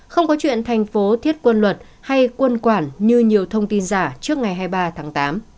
không có chuyện thành phố thiết quân luật hay quân quản như nhiều thông tin giả trước ngày hai mươi ba tháng tám